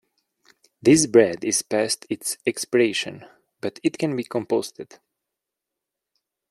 This bread is past its expiration, but it can be composted.